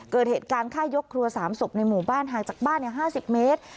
เกิดเหตุการณ์ฆ่ายกครัว๓ศพในหมู่บ้านห่างจากบ้าน๕๐เมตร